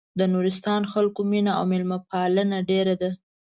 د نورستان خلکو مينه او مېلمه پالنه ډېره ده.